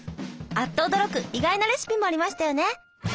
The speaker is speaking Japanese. あっと驚く意外なレシピもありましたよね。